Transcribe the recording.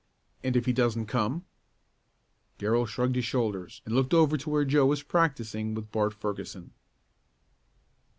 "And if he doesn't come?" Darrell shrugged his shoulders and looked over to where Joe was practicing with Bart Ferguson.